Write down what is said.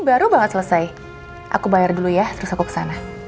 baru banget selesai aku bayar dulu ya terus aku kesana